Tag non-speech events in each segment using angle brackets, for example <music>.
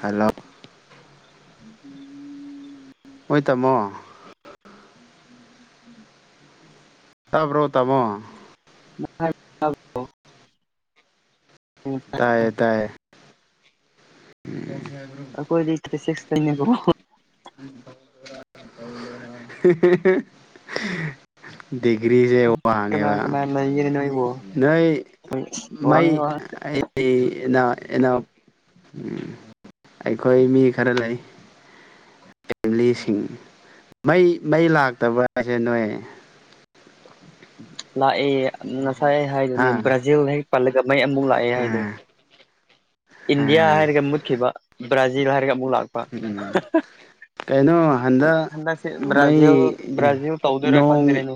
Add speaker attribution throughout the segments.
Speaker 1: Hello ꯍꯣꯏ ꯇꯥꯃꯣ ꯇꯕ꯭ꯔꯣ ꯇꯥꯃꯣ
Speaker 2: <inaudible>
Speaker 1: ꯇꯥꯏꯌꯦ ꯇꯥꯏꯌꯦ
Speaker 2: ꯀꯣꯏꯁꯇꯀꯣ <inaudible>
Speaker 1: ꯎꯝ <inaudible> <inaudible> ꯗꯤꯒ꯭ꯔꯤꯁꯦ
Speaker 2: ꯀꯅꯥ
Speaker 1: ꯋꯥꯡꯉꯦꯕ ꯅꯣꯏ
Speaker 2: ꯑꯩꯣꯏ ꯋꯥꯉ ꯋꯥ <inaudible>
Speaker 1: ꯑꯩꯅꯥ ꯑꯦꯩꯅ <inaudible> ꯎꯝ ꯑꯩꯈꯣꯏ ꯃꯤ ꯈꯔ ꯂꯩ ꯐꯦꯃꯤꯂꯤꯁꯤꯡ ꯃꯩ ꯃꯩ ꯂꯥꯛꯇꯕ꯭ꯔꯥ ꯍꯥꯏꯁꯦ ꯅꯣꯏ
Speaker 2: ꯂꯥꯛꯑꯦ ꯉꯁꯥꯏ
Speaker 1: ꯍꯥ
Speaker 2: ꯍꯥꯏꯗꯨꯅꯤ ꯕ꯭ꯔꯥꯖꯤꯜ ꯅꯦ ꯄꯜꯂꯒ ꯃꯩ ꯑꯃꯨꯛ ꯂꯥꯛꯑꯦ ꯍꯥꯏꯗꯣ
Speaker 1: ꯑꯥ
Speaker 2: ꯏꯟꯗꯤꯌꯥ
Speaker 1: ꯑꯥ
Speaker 2: ꯍꯥꯏꯔꯒ ꯃꯨꯠꯈꯤꯕ ꯕ꯭ꯔꯥꯖꯤꯜ ꯍꯥꯏꯔꯒ ꯑꯃꯨꯛ ꯂꯥꯛꯄ
Speaker 1: ꯎꯝ ꯀꯩꯅꯣ ꯍꯟꯗꯛ
Speaker 2: ꯍ ꯁꯤ
Speaker 1: ꯃꯩ
Speaker 2: ꯕ꯭ꯔꯥꯖꯤꯜ ꯭ꯔꯥꯖꯤꯜ ꯇꯧꯗꯨꯔ
Speaker 1: ꯅꯣꯡ
Speaker 2: ꯈꯗꯔꯦꯅ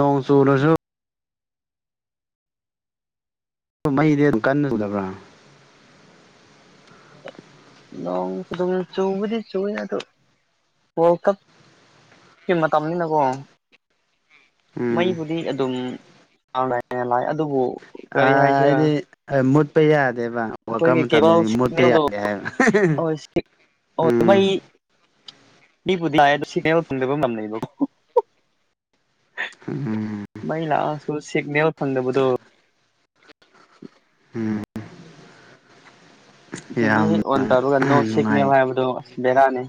Speaker 1: ꯅꯣꯡ ꯆꯨꯔꯁꯨ ꯃꯩꯁꯦ ꯀꯟꯅ ꯎꯗꯕ꯭ꯔꯥ
Speaker 2: ꯂꯣꯡ ꯆꯗꯤ ꯆꯔ ꯀꯞ ꯀ ꯃꯇꯝꯅꯤꯅꯀꯣ
Speaker 1: ꯎꯝ
Speaker 2: ꯃꯩꯕꯨꯗꯤ ꯑꯗꯨꯝ ꯉꯥꯜꯂꯛꯑ ꯂꯥꯛ ꯑꯗꯨꯕꯨ
Speaker 1: ꯑ
Speaker 2: ꯀꯔꯤ ꯍꯥꯏꯁꯤꯔꯥ
Speaker 1: ꯑꯩꯗꯤ ꯃꯨꯠꯄ ꯌꯥꯗꯦꯕ ꯋꯥꯀꯔ
Speaker 2: ꯑꯩꯈꯣꯏꯒꯤ
Speaker 1: ꯃꯇꯝꯅꯤ
Speaker 2: ꯀꯦꯕꯜ
Speaker 1: ꯑꯗꯨ ꯃꯣꯠꯄ
Speaker 2: ꯁꯤꯒꯅꯦꯜꯗꯣ
Speaker 1: ꯌꯥꯗꯦ ꯍꯥꯏꯕ
Speaker 2: ꯍꯣꯏ
Speaker 1: ꯎꯝ
Speaker 2: ꯕꯨꯕ <inaudible>
Speaker 1: ꯎꯝ
Speaker 2: ꯃꯩ ꯂꯥꯛꯑꯁꯨ ꯁꯤꯒꯅꯦꯜ ꯐꯪꯗꯕꯗꯣ
Speaker 1: ꯎꯝ
Speaker 2: ꯁꯤꯗꯤ ꯍꯦꯛ
Speaker 1: ꯌꯥꯝꯅ
Speaker 2: ꯑꯣꯟ ꯇꯧꯔꯒ ꯅꯣ ꯁꯤꯛꯅꯦꯕ
Speaker 1: ꯅꯨꯡꯉꯥꯏ
Speaker 2: ꯍꯥꯏꯕꯗꯣ ꯑꯁ ꯕꯦꯔꯥꯅꯤ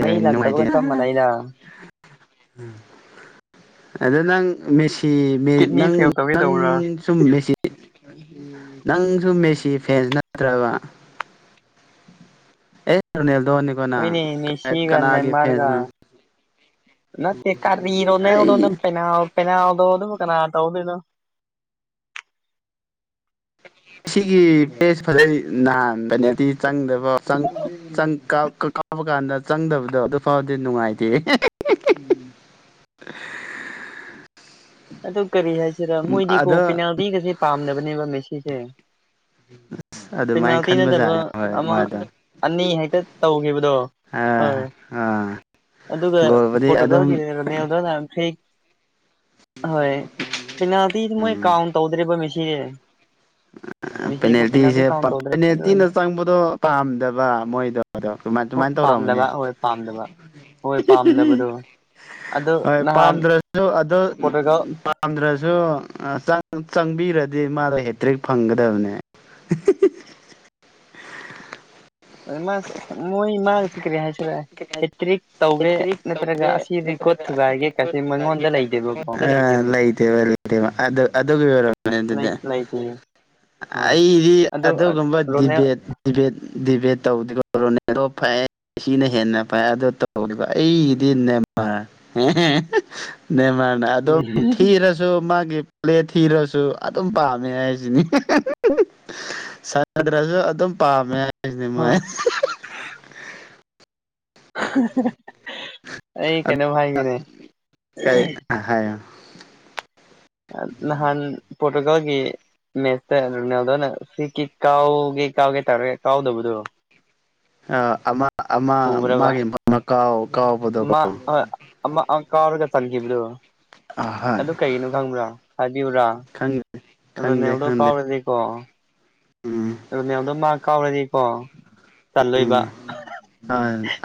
Speaker 2: ꯃꯩ
Speaker 1: ꯅꯨꯡꯉꯥꯏꯇꯦ
Speaker 2: ꯂꯥꯛꯇꯕꯒ ꯊꯝꯕꯅ ꯑꯩꯅ
Speaker 1: ꯑꯗ ꯅꯪꯦꯁꯤ
Speaker 2: ꯀꯤꯠꯅꯤ
Speaker 1: ꯅꯪ
Speaker 2: ꯐꯦꯜ ꯇꯧꯒꯦ
Speaker 1: ꯅꯪ
Speaker 2: ꯇꯧꯕ꯭ꯔꯥ
Speaker 1: ꯁꯨꯝ ꯃꯦꯁꯤ ꯅꯪ ꯁꯨꯝ ꯃꯦꯁꯤ ꯐꯦꯟꯖ ꯅꯠꯇ꯭ꯔꯕ ꯑꯦꯅꯤꯗꯣꯅꯤ
Speaker 2: ꯍꯣꯏꯅꯦ ꯃꯤ ꯁꯤꯒꯥꯟꯅ ꯃꯥꯔꯒ ꯅꯠꯇ ꯀꯔꯤꯔꯣꯅꯦ ꯑꯣꯗꯣ
Speaker 1: ꯑꯩ
Speaker 2: ꯄꯦꯅꯥ ꯄꯦꯅꯥꯗꯣ ꯑꯣ ꯑꯗꯨꯕꯨ ꯀꯅꯥ ꯇꯧꯗꯅꯣ
Speaker 1: ꯁꯤꯒꯤ ꯦꯁ ꯐꯖꯩ ꯅꯥꯍꯟꯕꯅꯦꯗꯤ ꯆꯪꯗꯕ <inaudible> ꯀꯥꯞꯄ ꯀꯥꯟꯗ ꯆꯪꯗꯕꯗꯣ ꯑꯗꯨꯐꯥꯎꯗꯤ ꯅꯨꯡꯉꯥꯏꯇꯦ <inaudible>
Speaker 2: <unintelligible> ꯑꯗꯨ ꯀꯔꯤ ꯍꯥꯏꯁꯤꯔ ꯃꯣꯏꯗꯤꯀꯣ
Speaker 1: ꯑꯗꯣ
Speaker 2: ꯄꯦꯅꯥꯜꯇꯤꯒꯁꯦ ꯄꯥꯝꯅꯕꯅꯦꯕ ꯃꯦꯁꯤꯁꯦ
Speaker 1: ꯑ ꯑꯗꯨꯃꯥꯏꯅ
Speaker 2: ꯄꯦꯅꯥꯜꯇꯤ ꯅꯠꯇꯕ
Speaker 1: ꯈꯟꯕꯖꯥꯠꯅꯦ ꯍꯣꯏ
Speaker 2: ꯑꯃ
Speaker 1: ꯃꯥꯗ
Speaker 2: ꯑꯅꯤ ꯍꯦꯛꯇ ꯇꯧꯈꯤꯕꯗꯣ ꯍꯣꯏ
Speaker 1: ꯑꯥ ꯑꯥ
Speaker 2: ꯑꯗꯨꯒ
Speaker 1: ꯒꯣꯜꯕꯨꯗꯤ ꯑꯗꯨꯝ
Speaker 2: ꯄꯣꯔꯇꯨꯒꯥꯜꯒꯤꯅꯦꯗꯅ ꯍꯣꯏ ꯄꯤꯅꯥꯜꯇꯤ ꯃꯣꯏ
Speaker 1: ꯎꯝ
Speaker 2: ꯀꯥꯎꯟ ꯇꯧꯗ꯭ꯔꯤꯕ ꯃꯦꯁꯤꯁꯦ ꯃꯦꯁꯤꯕꯨ ꯄꯦꯅꯥꯜꯇꯤ
Speaker 1: ꯄꯦꯅꯦꯜꯇꯤꯁꯦ
Speaker 2: ꯀꯥꯎꯟ ꯇꯧꯗ꯭ꯔꯦ ꯑꯗꯨ ꯑꯣꯏꯅ
Speaker 1: ꯄꯦꯅꯦꯜꯇꯤꯅ ꯆꯪꯕꯗꯣ ꯄꯥꯝꯗꯕ ꯃꯣꯏꯗꯣ ꯑꯗꯣ ꯑꯗꯨꯃꯥꯏ ꯑꯗꯨꯃꯥꯏꯅ ꯇꯧꯔꯝꯕꯅꯦ
Speaker 2: ꯄꯥꯝꯗꯕ ꯍꯣꯏ ꯄꯥꯝꯗꯕ ꯍꯣꯏ ꯄꯥꯝꯗꯕꯗꯣ ꯑꯗꯣ ꯅꯍꯥꯟ
Speaker 1: ꯍꯜꯂꯣ ꯑꯗꯣ
Speaker 2: ꯀꯣꯇꯒ
Speaker 1: ꯌꯥꯝꯝꯗ꯭ꯔꯁꯨ ꯆꯪꯕꯤꯔꯗꯤ ꯃꯥꯗꯣ ꯍꯦꯇ꯭ꯔꯤꯛ ꯐꯪꯒꯗꯕꯅꯦ
Speaker 2: ꯃꯥ ꯃꯣꯏ ꯃꯥ ꯆꯤꯀ꯭ꯔ ꯍꯥꯏ ꯍꯦꯇ꯭ꯔꯤꯛ ꯇꯧꯒꯦ
Speaker 1: ꯍꯦꯇ꯭ꯔꯤꯛ
Speaker 2: ꯅꯠꯇ꯭ꯔꯒ
Speaker 1: ꯇꯧꯒꯦ
Speaker 2: ꯑꯁꯤ ꯦꯀꯣꯔꯠ
Speaker 1: ꯅꯠꯇ꯭ꯔꯒ ꯑꯁꯤꯗꯤ
Speaker 2: ꯊꯨꯒꯥꯏꯒꯦ
Speaker 1: ꯒꯣꯜ
Speaker 2: ꯀꯁꯤ
Speaker 1: ꯊꯨꯒꯥꯏꯒꯦ
Speaker 2: ꯃꯉꯣꯟꯗ ꯂꯩꯒ
Speaker 1: ꯀꯥꯏꯁꯦ ꯑ ꯂꯩꯇꯦꯕ ꯂꯩꯇꯦꯕ ꯑꯗꯨ ꯑꯗꯨꯒꯤ ꯑꯣꯏꯔꯣꯅꯦ ꯑꯗꯨꯗꯤ
Speaker 2: ꯣ
Speaker 1: ꯑꯩꯗꯤ ꯑꯗꯨꯒꯨꯝꯕ
Speaker 2: ꯔꯣꯅꯦꯜ
Speaker 1: ꯗꯤꯕꯦꯠ ꯗꯤꯦꯠ ꯗꯤꯕꯦꯠ ꯇꯧꯣꯣ ꯀꯤꯅ ꯍꯦꯟꯅ ꯐꯥꯏ ꯑꯗꯣ ꯇꯧꯒ ꯑꯩꯒꯤꯗꯤ ꯅꯦꯃꯔ ꯅꯃꯔ ꯑꯗꯨꯝ ꯊꯔ ꯁꯨ ꯃꯥꯒꯤ ꯄ꯭ꯂꯦꯠ ꯊꯤꯔꯁꯨ ꯑꯗꯨꯝ ꯄꯥꯝꯃꯦ ꯍꯥꯏꯁꯤꯅꯤ ꯁꯅꯗ꯭ꯔꯁꯨ ꯑꯗꯨꯝ ꯄꯥꯝꯃꯦ ꯍꯥꯏꯁꯤꯅꯦ
Speaker 2: ꯍꯣꯏ
Speaker 1: ꯃꯥꯏ
Speaker 2: ꯑꯩ ꯀꯩꯅꯣꯚ ꯍꯥꯏꯒꯤꯅꯦ
Speaker 1: ꯁꯍꯌ
Speaker 2: ꯅꯍꯥꯟ ꯄꯣꯔꯇꯨꯒꯜꯒꯤ ꯃꯦꯠꯁꯇ ꯔꯣꯅꯥꯜꯗꯣꯅ ꯁꯤ ꯀ ꯀꯥꯎꯒꯦ ꯀꯥꯎꯒꯦ ꯇꯥꯔꯒꯦ ꯀꯥꯎꯗꯕꯗꯣ
Speaker 1: ꯑ ꯑꯃ ꯑꯃ
Speaker 2: ꯎꯕ꯭ꯔꯕ
Speaker 1: ꯃꯥꯒꯤ ꯃ ꯀꯥꯎ ꯀꯥꯎꯕꯗ
Speaker 2: ꯃꯥ ꯃꯥ ꯀꯔꯒ ꯆꯅꯤꯈꯤ ꯏꯕꯗꯨ
Speaker 1: ꯑꯍꯣꯏ
Speaker 2: ꯑꯗꯨ ꯀꯩꯒꯤꯅꯣ ꯈꯪꯕ꯭ꯔꯥ ꯍꯥꯏꯕꯤꯕꯨ꯭ꯔꯥ
Speaker 1: ꯈꯪ
Speaker 2: ꯑꯣ
Speaker 1: ꯈꯪꯗꯦ
Speaker 2: ꯅꯦꯜꯗꯣ
Speaker 1: ꯈꯪꯗꯦ
Speaker 2: ꯀꯥꯎꯔꯗꯤꯀꯣ
Speaker 1: ꯎꯝ
Speaker 2: ꯑꯗꯨ ꯃꯌꯥꯝꯗꯣ ꯃꯥ ꯀꯥꯎꯔꯗꯤꯀꯣ ꯆꯜꯂꯣꯏꯕ
Speaker 1: ꯎꯝ ꯑ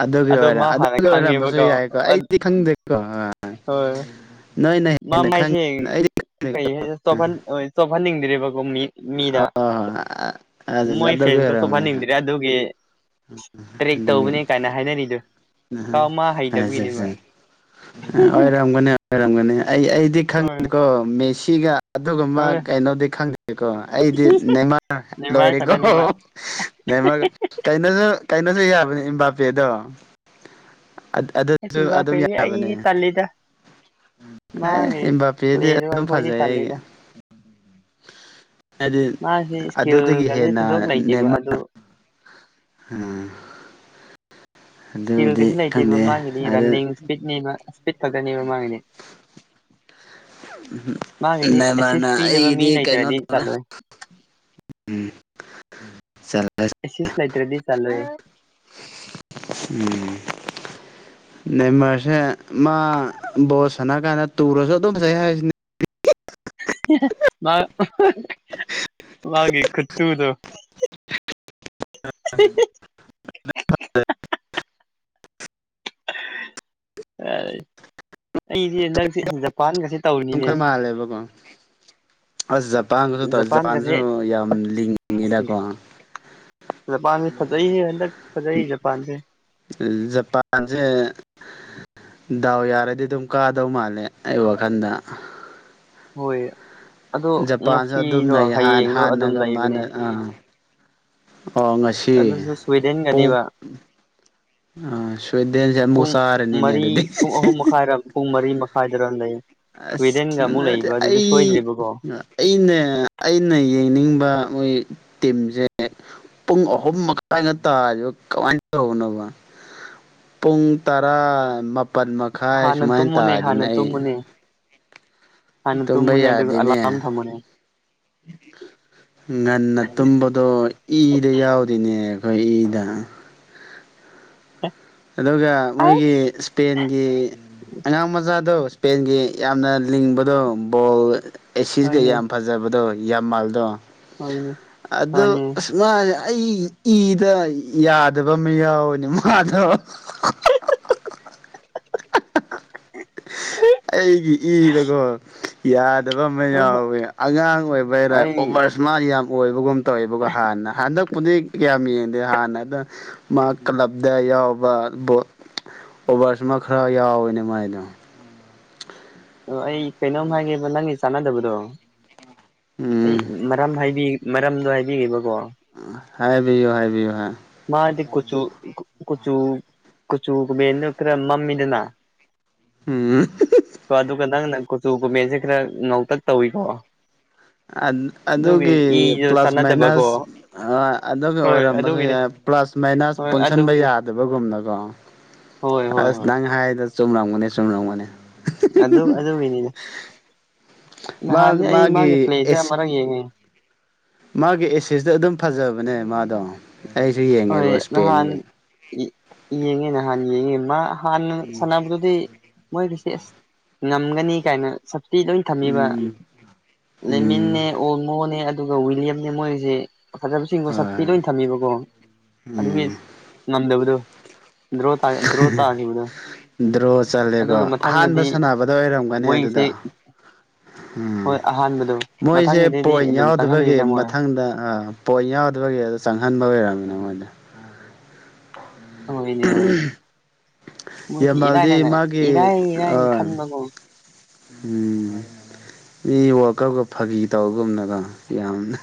Speaker 1: ꯑꯗꯨꯒꯤ
Speaker 2: ꯑꯗꯣ
Speaker 1: ꯑꯣꯏꯔꯦ
Speaker 2: ꯃꯥ ꯍꯥꯟꯅ
Speaker 1: ꯑꯗꯨꯒꯤ ꯑꯣꯏꯔꯝꯕꯁꯨ
Speaker 2: ꯈꯪꯉꯦꯕꯀꯣ
Speaker 1: ꯌꯥꯏꯀꯣ ꯑꯩꯗꯤ ꯈꯪꯗꯦꯀꯣ
Speaker 2: ꯍꯣꯏ
Speaker 1: ꯅꯣꯏꯅ
Speaker 2: ꯃ
Speaker 1: ꯍꯦꯟꯅ
Speaker 2: ꯃꯥꯏꯁꯦ
Speaker 1: ꯈꯪꯉꯤꯅ ꯑꯩꯗꯤ
Speaker 2: ꯀꯩ ꯆꯣꯍꯟꯅꯤꯡꯗ꯭꯭ꯔꯦꯕꯀꯣ ꯃꯤ ꯃꯤꯗ
Speaker 1: ꯑꯣ
Speaker 2: ꯃꯣꯏ
Speaker 1: ꯑꯗꯨꯒꯤ
Speaker 2: ꯐꯦꯗꯁꯨꯣ
Speaker 1: ꯑꯣꯏꯔꯝꯅꯦ
Speaker 2: ꯐꯅꯤꯗ ꯑꯗꯨꯒꯤ ꯇ꯭ꯔꯦꯛ ꯇꯧꯕꯅꯤ ꯀꯥꯏꯅ ꯍꯥꯏꯅꯔꯤꯗꯨ
Speaker 1: ꯎ ꯑꯣꯏꯔꯝꯒꯅꯦ ꯀꯔꯝꯒꯅꯤ ꯑꯩ ꯑꯩꯗꯤ
Speaker 2: ꯍꯣꯏ
Speaker 1: ꯈꯪꯉꯅꯤꯀꯣ ꯃꯦꯁꯤꯒ ꯑꯗꯨꯒꯨꯝꯕ
Speaker 2: ꯍꯣꯏ
Speaker 1: ꯀꯩꯅꯣꯗꯤ ꯈꯪꯗꯦꯀꯣ ꯑꯩꯗꯤ ꯅꯃ
Speaker 2: ꯅꯦꯃꯥꯔ
Speaker 1: ꯂꯣꯏꯔꯦꯀꯣ
Speaker 2: ꯈꯛꯇꯅꯦꯕ
Speaker 1: ꯅꯦꯝꯃ ꯀꯩꯅꯁꯨ ꯌꯥꯕꯅꯤ ꯏꯕꯥꯥꯄꯦꯗꯣ
Speaker 2: ꯑꯁ
Speaker 1: ꯑꯗꯨꯁꯨ ꯑꯗꯨꯝ
Speaker 2: ꯑꯦꯝꯕꯥꯄꯦꯗꯤ
Speaker 1: ꯌꯥꯕꯅꯦ
Speaker 2: ꯑꯩꯗꯤ ꯇꯜꯂꯤꯗ
Speaker 1: ꯑꯦ
Speaker 2: ꯃꯥꯒꯤ
Speaker 1: ꯑꯦꯕꯥꯝ ꯄꯦꯗꯤ
Speaker 2: ꯄ꯭ꯂꯦꯗꯣ
Speaker 1: ꯑꯗꯨꯝ
Speaker 2: ꯑꯩꯈꯣꯏꯗꯤ
Speaker 1: ꯐꯖꯩ ꯑꯩꯒꯤ꯫
Speaker 2: ꯇꯜꯂꯤꯗ
Speaker 1: ꯍꯥꯏꯗꯤ
Speaker 2: ꯃꯥꯁꯤ
Speaker 1: ꯑꯗꯨꯗꯒꯤ
Speaker 2: ꯏꯁꯀꯤꯜꯒꯁꯦ
Speaker 1: ꯍꯦꯟꯅ
Speaker 2: ꯊꯣꯏꯗꯣꯛ ꯂꯩꯇꯦꯕ
Speaker 1: ꯅꯦꯝ
Speaker 2: ꯑꯗꯨ
Speaker 1: ꯎꯝ꯫
Speaker 2: ꯏꯁꯀꯤꯜ ꯀꯩꯁꯨ ꯂꯩꯇꯦꯕ ꯃꯥꯥꯡꯒꯤꯗꯤ
Speaker 1: ꯑꯗꯨ
Speaker 2: ꯔꯟꯅꯤꯡ ꯏꯁꯄꯤꯠꯅꯤ ꯏꯁꯄꯤꯠ ꯈꯛꯇꯅꯦꯕ ꯃꯃꯥꯡꯒꯤꯗꯤ꯫ ꯑꯦꯁꯤꯁ
Speaker 1: ꯅꯦꯃꯔꯅ
Speaker 2: ꯄꯤꯅꯕ ꯃꯤ
Speaker 1: ꯑꯩꯒꯤꯗꯤ ꯀꯩꯅꯣ
Speaker 2: ꯂꯩꯇ꯭ꯔꯗꯤ
Speaker 1: ꯇꯧꯔꯦ꯫
Speaker 2: ꯆꯠꯂꯣꯏ
Speaker 1: ꯎꯝ ꯆꯂ꯫ <inaudible>
Speaker 2: ꯑꯦ ꯁꯤꯁ ꯂꯩꯇ꯭ꯔꯗꯤ ꯆꯜꯂꯣꯏꯌꯦ꯫
Speaker 1: ꯎꯝ꫰꫰ ꯅꯦꯃꯔꯁꯦ ꯃꯥ ꯕꯣꯁ ꯁꯥꯟꯅ ꯀꯥꯟꯗ ꯇꯨꯔꯁꯨ ꯑꯗꯨꯝ ꯐꯖꯩ ꯍꯥꯏꯁꯤꯅꯦ꯫
Speaker 2: ꯃꯥ ꯃꯥꯒꯤ ꯈꯨꯇꯨꯗꯨ꯫ <unintelligible> ꯑꯩꯗꯤ ꯅꯪꯁꯤ ꯖꯄꯥꯟꯒꯁꯤ
Speaker 1: ꯑꯗꯨꯝ ꯈꯔ ꯃꯥꯜꯂꯦꯕꯀꯣ꯫ ꯑꯁ ꯖꯄꯥꯟꯒꯁꯨ ꯇꯧ
Speaker 2: ꯖꯄꯥꯟꯒꯁꯦ
Speaker 1: ꯖꯄꯥꯟꯁꯨ ꯌꯥꯝ ꯂꯤꯡꯉꯤꯗꯀꯣ꯫
Speaker 2: ꯖꯄꯥꯟꯁꯤ ꯐꯖꯩ ꯍꯟꯗꯛ ꯐꯖꯩ ꯖꯄꯥꯟꯁꯦ꯫
Speaker 1: ꯖꯄꯥꯟꯁꯦ꯫ ꯗꯥꯎ ꯌꯥꯔꯗꯤ ꯑꯗꯨꯝ ꯀꯥꯗꯧ ꯃꯥꯜꯂꯦ ꯑꯩ ꯋꯥꯈꯟꯗ꯫
Speaker 2: ꯍꯣꯏ꯫ ꯑꯗꯣ
Speaker 1: ꯖꯄꯥꯟꯁꯨ
Speaker 2: ꯉꯁꯤꯔꯣ
Speaker 1: ꯑꯗꯨꯝꯅꯩ
Speaker 2: ꯍꯌꯦꯡꯔꯣ ꯑꯗꯨꯝ
Speaker 1: ꯍꯥꯟꯅꯒ ꯃꯥꯅ
Speaker 2: ꯂꯩꯕꯅꯦ
Speaker 1: ꯑꯥ ꯑꯣ ꯉꯁ ꯁꯤ
Speaker 2: ꯑꯗꯨꯁꯨ
Speaker 1: ꯄꯨꯡ꯫
Speaker 2: ꯁ꯭ꯋꯤꯗꯦꯟꯒꯅꯦꯕ
Speaker 1: ꯁꯨꯏꯗꯦꯟꯁꯤ ꯑꯃꯨꯛ
Speaker 2: ꯄꯨꯡ
Speaker 1: ꯆꯔꯥꯅꯤꯅꯦ
Speaker 2: ꯃꯔꯤ
Speaker 1: ꯑꯗꯨꯗꯤ꯫
Speaker 2: ꯄꯨꯡ ꯑꯍꯨꯝ ꯃꯈꯥꯏꯔ ꯄꯨꯡ ꯃꯔꯤ ꯃꯈꯥꯏꯗꯔ ꯂꯩ ꯁ꯭ꯋꯤꯗꯦꯟꯒ
Speaker 1: ꯑꯁ
Speaker 2: ꯑꯃꯨꯛ
Speaker 1: ꯅꯠꯇꯦ
Speaker 2: ꯂꯩꯕ ꯑꯗꯨꯗꯤ
Speaker 1: ꯑꯩ
Speaker 2: ꯁꯣꯏꯗ꯭ꯔꯤꯕꯀꯣ꯫
Speaker 1: ꯑꯩꯅ ꯑꯩꯅ ꯌꯦꯡꯅꯤꯡꯕ ꯃꯣꯏ ꯇꯤꯝꯁꯦ꯫ ꯄꯨꯡ ꯑꯍꯨꯝ ꯃꯈꯥꯏꯗ ꯇꯥꯔꯤꯕ ꯀꯃꯥꯏꯅ ꯇꯧꯕꯅꯣꯕ꯫ ꯄꯨꯡ ꯇꯔꯥ ꯃꯥꯄꯜ ꯃꯈꯥꯏ
Speaker 2: ꯍꯥꯟꯅ
Speaker 1: ꯁꯨꯃꯥꯏꯅ
Speaker 2: ꯇꯨꯝꯃꯨꯅꯦ
Speaker 1: ꯇꯥꯔꯗꯤ
Speaker 2: ꯍꯥꯟꯅ
Speaker 1: ꯅꯥꯛꯏ꯫
Speaker 2: ꯇꯨꯝꯃꯨꯅꯦ ꯍꯥꯟꯅ
Speaker 1: ꯇꯨꯝꯕ
Speaker 2: ꯇꯨꯝꯃꯨꯅꯦ ꯑꯗꯨꯒ
Speaker 1: ꯌꯥꯗꯦꯅꯦ
Speaker 2: ꯑꯂꯥꯔꯝ ꯊꯝꯃꯨꯅꯦ
Speaker 1: ꯉꯟꯅ ꯇꯨꯝꯕ꯫ ꯑꯗꯣ ꯏꯗ ꯌꯥꯎꯗꯦꯅꯦ ꯑꯩꯈꯣꯏ ꯏꯗ꯫ ꯑꯗꯨꯒ ꯃꯣꯏꯒꯤ꯫
Speaker 2: ꯑꯁ
Speaker 1: ꯏꯁꯄꯦꯟꯒꯤ ꯑꯉꯥꯡ ꯃꯆꯥꯗꯣ ꯏꯁꯄꯦꯟꯒꯤ ꯌꯥꯝꯅ ꯂꯤꯡꯕꯗꯣ ꯕꯣꯜ꯫ ꯑꯦꯁꯤꯁꯒ
Speaker 2: ꯍꯣꯏꯅꯦ
Speaker 1: ꯌꯥꯝ ꯐꯖꯕꯗꯣ ꯌꯥꯝ ꯃꯥꯜꯗꯣ
Speaker 2: ꯍꯣꯏꯅꯦ
Speaker 1: ꯑꯗꯨ꯫
Speaker 2: ꯍꯣꯏꯅꯦ
Speaker 1: ꯃꯥꯁꯦ ꯑꯩ ꯏꯗ ꯌꯥꯗꯕ ꯑꯃ ꯌꯥꯎꯋꯦꯅꯦ ꯃꯥꯗꯣ꯫ ꯑꯩꯒꯤ ꯏꯗꯒꯣ꯫ ꯌꯥꯗꯕ ꯑꯃ
Speaker 2: ꯍꯣꯏ ꯍꯣꯏ
Speaker 1: ꯌꯥꯎꯋꯦ ꯑꯉꯥꯡ ꯑꯣꯏꯕꯩꯔ
Speaker 2: ꯑꯩ
Speaker 1: ꯑꯣꯕꯔꯏꯁꯃꯔꯠ ꯌꯥꯝ ꯑꯣꯏꯕꯒꯨꯝ꯫ ꯇꯧꯋꯦꯕꯀꯣ ꯍꯥꯟꯅ ꯍꯟꯗꯛꯄꯨꯗꯤ ꯀꯌꯥꯝ ꯌꯦꯡ ꯍꯥꯟꯅ ꯑꯗꯣ ꯃꯥ ꯀ꯭ꯂꯞꯇ ꯌꯥꯎꯕ ꯕꯣꯜ ꯑꯣꯕꯔꯏꯁꯃꯥꯔ ꯈꯔ ꯌꯥꯎꯋꯤꯅꯦ ꯃꯥꯏꯗꯣ꯫
Speaker 2: ꯑꯣ ꯑꯩ ꯀꯩꯅꯣꯝ ꯍꯥꯏꯒꯦꯕ ꯅꯪꯒꯤ ꯆꯥꯟꯅꯗꯕꯗꯣ꯫ ꯑꯩ
Speaker 1: ꯎꯝ
Speaker 2: ꯃꯔꯝ ꯍꯥꯏꯕꯤꯒꯦ ꯃꯔꯝꯗꯣ ꯍꯥꯏꯕꯤꯈꯤꯕꯀꯣ꯫
Speaker 1: ꯍꯥꯏꯕꯤꯌꯨ ꯍꯥꯏꯕꯤꯌꯨ ꯍꯥꯏ꯫
Speaker 2: ꯃꯥꯗꯤ ꯀꯨꯆꯨ ꯀꯨꯆꯨ꯫ ꯀꯆꯨ ꯀꯨꯃꯦꯟꯗꯣ ꯈꯔ ꯃꯥꯝꯃꯤꯗꯅ
Speaker 1: ꯎꯝ꯫
Speaker 2: ꯍꯣ ꯑꯗꯨꯒ ꯅꯪꯅ ꯀꯨꯆꯨ ꯀꯨꯃꯦꯟꯁꯦ ꯈꯔ ꯉꯧꯇꯛ ꯇꯧꯏꯀꯣ꯫
Speaker 1: ꯑꯗꯨꯒꯤ
Speaker 2: ꯏꯗꯣ
Speaker 1: ꯄ꯭ꯂꯁ
Speaker 2: ꯆꯥꯟꯅꯗꯕꯀꯣ
Speaker 1: ꯃꯥꯏꯅꯁ ꯑꯗꯨꯒꯤ
Speaker 2: ꯍꯣꯏ
Speaker 1: ꯑꯣꯏꯔꯝꯕꯁꯨ
Speaker 2: ꯑꯗꯨꯒꯤꯅꯤ
Speaker 1: ꯌꯥꯏ꯫ ꯄ꯭ꯂꯁ ꯃꯥꯏꯅꯁ
Speaker 2: ꯍꯣꯏ
Speaker 1: ꯄꯨꯟꯁꯤꯟꯕ
Speaker 2: ꯑꯗꯨꯒꯤꯅꯤ
Speaker 1: ꯌꯥꯗꯕꯒꯨꯝꯅꯀꯣ꯫
Speaker 2: ꯍꯣꯏ ꯍꯣꯏ
Speaker 1: ꯑꯁ
Speaker 2: ꯍꯣꯏ
Speaker 1: ꯅꯪ ꯍꯥꯏꯔꯤꯗꯣ ꯆꯨꯝꯂꯝꯒꯅꯤ ꯆꯨꯝꯂꯝꯒꯅꯤ꯫
Speaker 2: ꯑꯗꯨ ꯑꯗꯨꯒꯤꯅꯤꯅꯦ
Speaker 1: ꯃꯥ
Speaker 2: ꯅꯍꯥꯟꯗꯤ ꯑꯩ ꯃꯥꯒꯤ ꯄ꯭ꯂꯦꯁꯦ
Speaker 1: ꯑꯦꯁ
Speaker 2: ꯑꯃꯛ ꯌꯦꯡꯉꯤ꯫
Speaker 1: ꯃꯥꯒꯤ ꯑꯦꯁꯤꯁꯇꯣ ꯑꯗꯨꯝ ꯐꯖꯕꯅꯦ ꯃꯥꯗꯣ ꯑꯩꯁꯨ
Speaker 2: ꯍꯣꯏ
Speaker 1: ꯌꯦꯡꯉꯦꯕ
Speaker 2: ꯅꯍꯥꯟ
Speaker 1: ꯏꯁꯄꯦꯟꯒꯤ꯫
Speaker 2: ꯌꯦꯡꯉꯦ ꯍꯥꯟ ꯌꯦꯡꯉꯦ ꯃꯥ ꯍꯥꯟꯅ ꯁꯥꯟꯅꯕꯗꯨꯗꯤ꯫ ꯃꯣꯏꯗꯤ ꯁꯦꯁ ꯉꯝꯒꯅꯤ ꯀꯥꯏꯅ꯫ ꯐꯤ ꯂꯣꯏ ꯊꯝꯃꯤꯕ
Speaker 1: ꯎꯝ ꯎꯝ
Speaker 2: ꯂꯃꯤꯟꯅ
Speaker 1: ꯎꯝ
Speaker 2: ꯑꯣꯃꯣꯅꯦ ꯑꯗꯨꯒ ꯋꯤꯂꯤꯌꯝꯅꯦ ꯃꯣꯏꯁꯦ ꯐꯖꯕꯁꯤꯡꯒꯣ ꯁꯛꯄꯤ
Speaker 1: ꯍꯣꯏ
Speaker 2: ꯂꯣꯏ ꯊꯝꯃꯤꯕꯀꯣ ꯑꯗꯨꯒꯤ
Speaker 1: ꯎꯝ
Speaker 2: ꯉꯝꯗꯕꯗꯣ ꯗ꯭ꯔꯣ ꯗ꯭ꯔꯣ ꯇꯥꯈꯤꯕꯗꯣ
Speaker 1: ꯗ꯭ꯔꯣ ꯆꯜꯂꯦꯀꯣ
Speaker 2: ꯑꯗꯨꯒ
Speaker 1: ꯑꯍꯥꯟꯕ
Speaker 2: ꯃꯊꯪꯗꯗꯤ
Speaker 1: ꯁꯥꯟꯅꯕꯗ ꯑꯣꯏꯔꯝꯒꯅꯤ
Speaker 2: ꯃꯣꯏꯒꯤꯁꯦ
Speaker 1: ꯑꯗꯨꯗ ꯎꯝ
Speaker 2: ꯍꯣꯏ ꯑꯍꯥꯟꯕꯗꯣ
Speaker 1: ꯃꯣꯏꯁꯦ
Speaker 2: ꯃꯊꯪꯒꯤꯗꯗꯤ
Speaker 1: ꯄꯣꯏꯟ
Speaker 2: ꯑꯗꯨꯝ
Speaker 1: ꯌꯥꯎꯗꯕꯒꯤ
Speaker 2: ꯆꯪꯍꯜꯂꯤꯗꯅ ꯃꯣꯏ
Speaker 1: ꯃꯊꯪꯗ ꯑ ꯄꯣꯏꯟ ꯌꯥꯎꯗꯕꯒꯤ ꯑꯗꯣ ꯆꯪꯍꯟꯕ ꯑꯣꯏꯔꯕꯝꯃꯤꯅ ꯃꯣꯏꯗ
Speaker 2: ꯍꯣꯏꯅꯦ ꯍꯣꯏꯅꯦ ꯃꯣꯏꯁꯤ ꯏꯔꯥꯏ
Speaker 1: ꯌꯥꯝꯃꯜꯗꯤ
Speaker 2: ꯂꯥꯏꯅ
Speaker 1: ꯃꯥꯒꯤ
Speaker 2: ꯏꯔꯥꯏ ꯏꯔꯥꯏ
Speaker 1: ꯑ
Speaker 2: ꯈꯟꯕꯒꯣ
Speaker 1: ꯎꯝ ꯃꯤ ꯋꯥꯋꯀꯞꯀ ꯐꯥꯒꯤ ꯇꯧꯒꯨꯝꯅꯀꯣ ꯌꯥꯝꯅ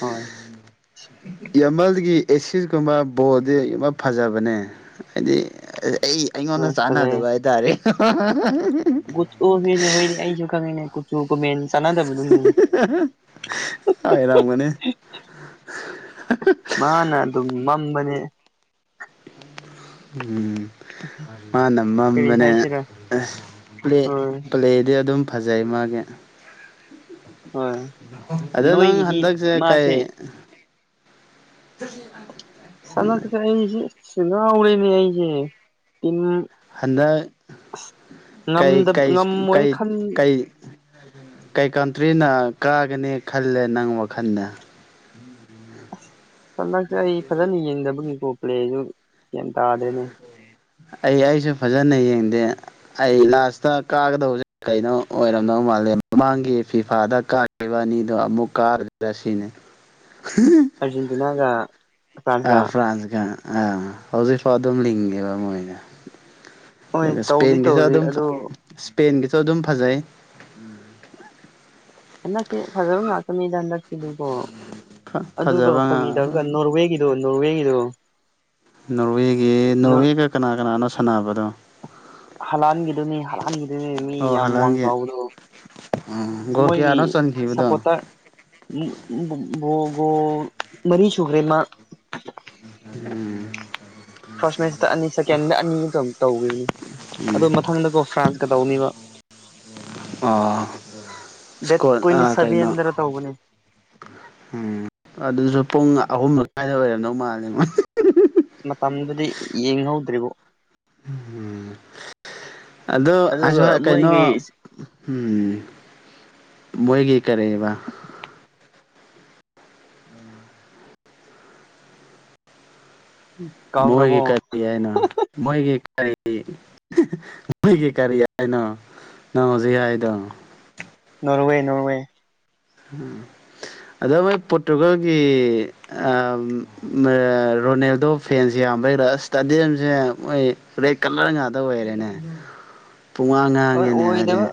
Speaker 2: ꯍꯣꯏ
Speaker 1: ꯌꯥꯝꯃꯜꯒꯤ ꯑꯦꯁꯤꯁꯀꯨꯝꯕ ꯕꯣꯗꯤ ꯌꯥꯝ ꯐꯖꯕꯅꯦ ꯍꯥꯏꯗꯤ ꯑꯩ ꯑꯩꯉꯣꯟꯗ
Speaker 2: ꯍꯣꯏ ꯐꯖꯩ
Speaker 1: ꯆꯥꯟꯅꯗꯕ ꯍꯥꯏꯇꯥꯔꯦ
Speaker 2: ꯑꯣ ꯍꯣꯏꯅꯦ ꯍꯣꯏꯅꯦ ꯑꯩꯁꯨ ꯈꯪꯉꯤꯅꯦ ꯀꯨꯆꯨ ꯀꯣꯃꯦꯟ ꯆꯥꯟꯅꯗꯕꯗꯨꯅꯦ
Speaker 1: ꯍꯥꯏꯔꯝꯒꯅꯦ
Speaker 2: ꯃꯥꯅ ꯑꯗꯨꯝ ꯃꯝꯕꯅꯦ
Speaker 1: ꯎꯝ ꯃꯥ ꯅꯝꯕ
Speaker 2: ꯀꯔꯤ
Speaker 1: ꯃꯅꯦ
Speaker 2: ꯍꯥꯏꯁꯤꯔꯥ ꯍꯣꯏ
Speaker 1: ꯄ꯭ꯂꯦꯗꯤ ꯑꯗꯨꯝ ꯐꯖꯩ ꯃꯥꯒꯤ
Speaker 2: ꯍꯣꯏ
Speaker 1: ꯑꯗ ꯅꯪ
Speaker 2: ꯅꯣꯏꯒꯤꯗꯤ
Speaker 1: ꯍꯟꯗꯛꯁ ꯀꯥꯏ
Speaker 2: ꯃꯥꯁꯦ
Speaker 1: ꯑꯗꯨ
Speaker 2: ꯁꯅꯁꯦ ꯑꯩꯁꯦ ꯁꯨꯅꯥ ꯍꯧꯥꯎꯔꯦꯅꯦ ꯑꯩꯁꯦ ꯇꯤꯟ
Speaker 1: ꯍꯟꯗꯛ ꯀꯩ
Speaker 2: ꯉꯝꯗꯕ
Speaker 1: ꯀꯩ
Speaker 2: ꯉꯝꯃꯣꯏ ꯈꯟ
Speaker 1: ꯀꯩ ꯀꯩ ꯀꯟꯇ꯭ꯔꯤꯅ ꯀꯥꯒꯅꯤ ꯈꯜꯂꯦ ꯅꯪ ꯋꯥꯈꯜꯅꯦ
Speaker 2: ꯑꯁ ꯁꯟꯗꯛꯁꯦ ꯑꯩ ꯐꯖꯅ ꯌꯦꯡꯗꯕꯒꯤꯀꯣ ꯄ꯭ꯂꯦꯁꯨ ꯒ꯭ ꯇꯥꯗꯦꯅꯦ
Speaker 1: ꯑꯩ ꯑꯩꯁꯨ ꯐꯖꯅ ꯌꯦꯡꯗꯦ ꯑꯩ ꯂꯥꯁꯇ ꯀꯥꯒꯗꯕꯁꯦ ꯀꯩꯅꯣ ꯑꯣꯏꯔꯝ ꯃꯥꯜꯂꯦ ꯃꯃꯥꯡꯒꯤ ꯐꯤꯐꯥꯗ ꯀꯅꯤꯗꯣ ꯑꯃꯃꯨꯛꯀꯥꯗ ꯔꯁꯤꯅꯦ
Speaker 2: ꯑꯥꯔꯖꯦꯟꯇꯤꯅꯥꯒ ꯐ꯭ꯔꯥꯟꯁꯀ
Speaker 1: ꯑꯥ ꯐ꯭ꯔꯥꯟꯁꯀ ꯑꯥ ꯍꯧꯖꯤꯛ ꯐꯥꯎ ꯑꯗꯨꯝ ꯂꯤꯡꯉꯦꯕ ꯃꯣꯏꯅ
Speaker 2: ꯍꯣꯏ
Speaker 1: ꯑꯗꯨꯒ
Speaker 2: ꯇꯧꯗꯤ
Speaker 1: ꯏꯁꯄꯦꯟꯒꯤꯁꯨ
Speaker 2: ꯇꯧꯔꯤ
Speaker 1: ꯑꯗꯨꯝ
Speaker 2: ꯑꯗꯣ
Speaker 1: ꯏꯁꯄꯦꯟꯒꯤꯁꯨ ꯑꯗꯨꯝ ꯐꯖꯩ
Speaker 2: ꯍꯟꯗꯛꯁꯦ ꯐꯖꯕ ꯉꯥꯛꯇꯅꯤꯗ ꯍꯟꯗꯛꯁꯤꯗꯨꯀꯣ ꯑꯗꯨꯒ
Speaker 1: ꯐꯖꯕ
Speaker 2: ꯐꯥꯒꯤꯗꯕꯒ ꯅꯣꯔꯋꯦꯒꯤ ꯅꯣ ꯍꯦꯒꯗ
Speaker 1: ꯅꯣꯔꯋꯦꯒꯤ ꯅꯣꯔꯋꯦꯒ ꯀꯅꯥ ꯀꯅꯥꯅꯣ ꯁꯥꯟꯅꯕꯗꯣ
Speaker 2: ꯍꯂꯥꯟꯈꯤꯗꯨꯅꯤ ꯍꯂꯥꯟꯈꯤꯗꯨꯅꯤ ꯃꯤ ꯌꯥꯝ ꯃꯃꯡ ꯆꯥꯎꯕꯗꯣ
Speaker 1: ꯑꯣ ꯀꯌꯥꯅ ꯆ ꯊꯕꯨꯗꯣ
Speaker 2: ꯎꯣꯒꯣ ꯃꯔꯤ ꯁꯨꯒ꯭ꯔꯦꯃ
Speaker 1: ꯎꯝ
Speaker 2: ꯐꯥꯔꯁ ꯃꯦꯠꯁꯇ ꯑꯅꯤ ꯁꯦꯀꯦꯟꯗ ꯑꯅꯤꯇ ꯇꯧꯅꯤ
Speaker 1: ꯎꯝ
Speaker 2: ꯑꯗꯨꯗꯣ ꯃꯊꯪꯗꯀꯣ ꯐ꯭ꯔꯥꯟꯁꯀ ꯇꯧꯅꯤꯕ
Speaker 1: ꯑ
Speaker 2: ꯗꯦꯠ ꯇ꯭ꯋꯦꯟꯇꯤ ꯁꯚꯦꯟꯗꯅ ꯇꯧꯕꯅꯦ
Speaker 1: ꯎꯝ ꯑꯗꯨꯁꯨ ꯄꯨꯡ ꯑꯍꯨꯝ ꯑꯗꯨꯏꯗ ꯑꯣꯏꯔꯝꯗꯧ ꯃꯥꯜꯂꯦ ꯃꯣꯏ
Speaker 2: ꯃꯇꯝꯗꯨꯗꯤ ꯌꯦꯡꯍꯧꯗ꯭ꯔꯤꯕꯣ
Speaker 1: ꯑꯗꯨꯣ
Speaker 2: ꯑꯗꯨꯒ ꯃꯣꯏꯒꯤ
Speaker 1: ꯀꯩꯅꯣ ꯎꯝ ꯃꯣꯏꯒꯤ ꯀꯔꯛꯑꯕ ꯃꯣꯏꯒꯤ
Speaker 2: ꯀꯥꯎꯈ꯭ꯔꯕꯣ
Speaker 1: ꯀꯔꯤ ꯍꯥꯏꯅꯣ ꯃꯣꯏꯒꯤ ꯀꯔꯤ ꯃꯣꯏꯒꯤ ꯀꯔꯤ ꯍꯥꯏꯅꯣ ꯅꯪ ꯍꯧꯖꯤꯛ ꯍꯥꯏꯗꯣ
Speaker 2: ꯅꯣꯔꯋꯦ ꯅꯣꯔꯋꯦ
Speaker 1: ꯑꯗ ꯃꯣꯏ ꯄꯣꯔꯇꯨꯒꯜꯒꯤ ꯔꯣꯅꯦꯜꯗꯣ ꯐꯦꯟꯁ ꯌꯥꯝꯕꯩꯔꯥ ꯏꯁꯇꯥꯗꯤꯌꯝꯁꯦ ꯃꯣꯏ ꯑꯗꯩ ꯀꯂꯔ ꯉꯥꯗ ꯑꯣꯏꯔꯦꯅꯦ
Speaker 2: <inaudible>
Speaker 1: ꯇꯣꯉꯥꯡꯟꯅ
Speaker 2: ꯍꯣꯏ ꯑꯣꯏꯗꯕ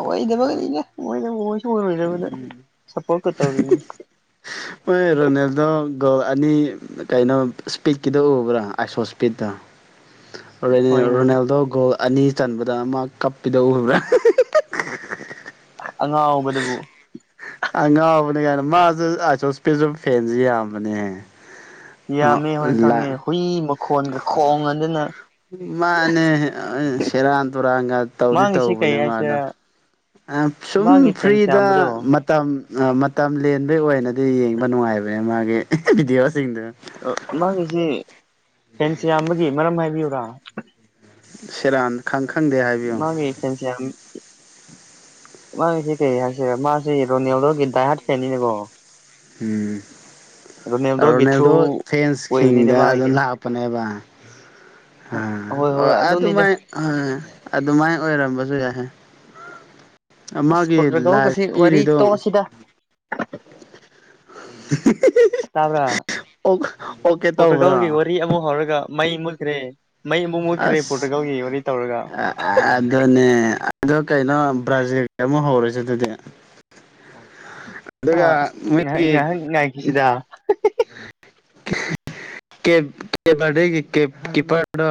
Speaker 2: ꯑꯣꯏꯗꯕꯅꯤꯗ ꯑꯣꯏꯗꯕ ꯑꯣꯏꯁꯨ ꯑꯣꯏꯔꯣꯏꯗꯕꯗ ꯁꯄꯣꯔꯠꯀꯥ ꯇꯧꯔꯤꯌꯦ
Speaker 1: ꯍꯣꯏ ꯔꯣꯅꯥꯜꯗꯣ ꯒꯣꯜ ꯑꯅꯤ ꯀꯩꯅꯣ ꯏꯁꯄꯤꯛꯀꯤꯗꯣ ꯎꯕ꯭ꯔꯥ ꯑꯥꯏꯁꯣ ꯏꯁꯄꯤꯛꯇ
Speaker 2: <inaudible>
Speaker 1: ꯔꯣꯅꯥꯜꯗꯣ ꯒꯣꯜ ꯑꯅꯤ ꯆꯟꯕꯗ ꯃꯥ ꯀꯞꯄꯤꯗꯣ ꯎꯕ꯭ꯔꯥ
Speaker 2: ꯑꯉꯥꯎꯕꯗꯨꯕꯨ
Speaker 1: ꯑ ꯉꯥꯎꯕꯅꯦ ꯀꯥꯏꯅ ꯃꯥꯁꯨ ꯑꯥꯏꯁꯣꯁꯄꯤꯁꯨ ꯐꯦꯟꯁꯦ ꯌꯥꯝꯕꯅꯦꯍꯦ ꯑ
Speaker 2: ꯌꯥꯝꯃꯦ ꯍꯣꯏ ꯈꯪꯉꯦ
Speaker 1: ꯂꯥꯏ
Speaker 2: ꯍꯨꯏ ꯃꯈꯣꯟꯒ ꯈꯣꯡꯉꯗꯅ
Speaker 1: ꯃꯥꯅꯦ ꯁꯦꯔꯥꯟ ꯇꯨꯔꯥꯟꯒ ꯇꯧꯗꯤ
Speaker 2: ꯃꯥꯒꯤꯁꯤ ꯀꯩ
Speaker 1: ꯇꯧꯕꯅꯦ ꯃꯥꯅ
Speaker 2: ꯍꯥꯏꯁꯤꯔꯥ
Speaker 1: ꯑꯥ ꯁꯨꯝ
Speaker 2: ꯃꯥꯒꯤ ꯐꯦꯟꯁ
Speaker 1: ꯐ꯭ꯔꯤꯗ
Speaker 2: ꯌꯥꯝꯕꯗꯣ
Speaker 1: ꯃꯇꯝ ꯑꯥ ꯃꯇꯝ ꯂꯦꯟꯕꯩ ꯑꯣꯏꯅꯗꯤ ꯌꯦꯡꯕ ꯅꯨꯡꯉꯥꯏꯕꯅꯦ ꯃꯥꯒꯤ ꯚꯤꯗꯤꯑꯣꯁꯤꯡꯗꯨ
Speaker 2: ꯃꯥꯒꯤꯁꯦ ꯐꯦꯟꯁ ꯌꯥꯝꯕꯒꯤ ꯃꯔꯝ ꯍꯥꯏꯕꯤꯌꯨꯨꯔꯥ
Speaker 1: ꯁꯦꯔꯥꯟ ꯈꯪ ꯈꯪꯗꯦ ꯍꯥꯏꯕꯤꯌꯨ
Speaker 2: ꯃꯥꯒꯤ ꯐꯦꯟꯁ ꯌꯥꯝꯕꯒꯤ ꯃꯥꯒꯤꯁꯤ ꯀꯔꯤ ꯍꯥꯏꯁꯤꯔꯦ ꯃꯥꯁꯤ ꯔꯣꯅꯦꯜꯗꯣꯒꯤ ꯗꯥꯢ ꯍꯥꯠ ꯐꯦꯟꯅꯤꯅꯦꯕꯣ
Speaker 1: ꯎꯝ
Speaker 2: ꯔꯣꯅꯦꯜꯗꯣꯒꯤ ꯊ꯭ꯔꯨ
Speaker 1: ꯔꯣꯅꯦꯜꯗꯣ
Speaker 2: ꯑꯣꯏꯕꯅꯤꯅ
Speaker 1: ꯐꯦꯟꯁꯁꯤꯡꯗ
Speaker 2: ꯃꯥꯒꯤꯗꯤ
Speaker 1: ꯑꯗꯨꯝ ꯂꯥꯛꯄꯅꯦꯕ ꯥ
Speaker 2: ꯍꯣꯏ ꯍꯣꯏ
Speaker 1: ꯑꯣꯢ
Speaker 2: ꯑꯗꯨꯅꯤꯗ
Speaker 1: ꯑꯗꯨꯃꯥꯏꯅ ꯑ ꯑꯗꯨꯃꯥꯏꯅ ꯑꯣꯏꯔꯝꯕꯁꯨ ꯌꯥꯏꯍꯦ
Speaker 2: ꯑꯁ
Speaker 1: ꯃꯥꯒꯤ ꯂꯥꯏꯐ
Speaker 2: ꯄꯣꯔꯇꯨꯒꯜꯒꯁꯤ ꯋꯥꯔꯤ
Speaker 1: ꯄꯤꯔꯤꯗꯨ
Speaker 2: ꯇꯣꯛꯑꯁꯤꯗ
Speaker 1: <unintelligible>
Speaker 2: ꯇꯥꯕ꯭ꯔꯥ
Speaker 1: ꯑꯣ ꯑꯣꯀꯦ ꯇꯧꯕ꯭ꯔꯣ
Speaker 2: ꯄꯣꯔꯇꯨꯒꯜꯒꯤ ꯋꯥꯔꯤ ꯑꯃꯨꯛ ꯍꯧꯔꯒ ꯃꯩ ꯃꯨꯠꯈ꯭ꯔꯦ ꯃꯩ ꯑꯃꯨꯛ ꯃꯨꯠꯈ꯭ꯔꯦ ꯄꯣꯔꯇꯨꯒꯥꯜꯒꯤ ꯋꯥꯔꯤ ꯇꯧꯔꯒ
Speaker 1: ꯑ ꯑꯗꯨꯅꯦ ꯑꯗꯣ ꯀꯩꯅꯣ ꯕ꯭ꯔꯥꯖꯤꯜꯒꯤ ꯑꯃꯨꯛ ꯍꯧꯔꯁꯦ ꯑꯗꯨꯗꯤ
Speaker 2: ꯑ
Speaker 1: ꯑꯗꯨꯒ
Speaker 2: ꯑꯁ ꯉꯥꯏꯍꯥꯛ
Speaker 1: ꯃꯣꯏꯒꯤ
Speaker 2: ꯉꯥꯏꯍꯥꯛ ꯉꯥꯏꯈꯤꯁꯤꯗ
Speaker 1: ꯀꯦꯞ ꯀꯦꯞꯕꯔꯗꯦꯒꯤ ꯀꯤ ꯀꯤꯄꯔ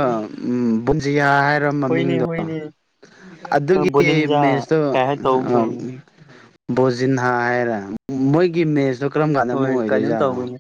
Speaker 1: ꯕꯨꯛꯖꯤꯌꯥ ꯍꯥꯏ ꯕ꯭ꯔ
Speaker 2: ꯍꯣꯏꯅꯦ
Speaker 1: ꯃꯃꯤꯡꯗꯣ
Speaker 2: ꯍꯣꯏꯅꯦ
Speaker 1: ꯑꯗꯨꯒꯤ
Speaker 2: ꯕꯣꯅꯤꯟꯖꯥ
Speaker 1: ꯃꯦꯁꯇꯣ
Speaker 2: ꯀꯩ ꯍꯥꯏ ꯇꯧꯒꯨꯝ
Speaker 1: ꯑꯥ
Speaker 2: ꯇꯧꯕꯅꯤ
Speaker 1: ꯕꯣꯖꯤꯟꯍꯥ ꯍꯥꯏꯔ ꯃꯣꯏꯒꯤ ꯃꯦꯠꯁꯇꯣ ꯀꯔꯝ ꯀꯥꯟꯗ ꯑꯃꯨꯛ
Speaker 2: ꯍꯣꯏ ꯀꯩꯅꯣꯝ
Speaker 1: ꯑꯣꯏꯗꯣꯏꯖꯥꯠꯅꯣ
Speaker 2: ꯇꯧꯕꯅꯤ